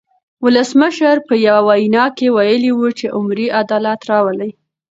ولسمشر په یوه وینا کې ویلي وو چې عمري عدالت راولي.